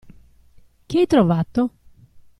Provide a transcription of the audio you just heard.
Che hai trovato?